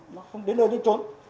nó không đến nơi để trốn